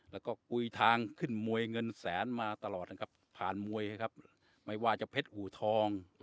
แล้วก็กุยทางขึ้นมวยเงินแสนมาตลอดนะครับผ่านมวยครับไม่ว่าจะเพชรอูทอง